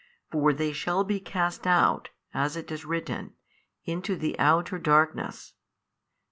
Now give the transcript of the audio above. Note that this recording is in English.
For they shall be cast out, as it is written, into the outer darkness.